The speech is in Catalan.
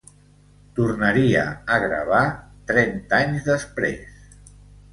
Tornaria a gravar trenta anys després.